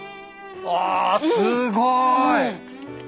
あすごい。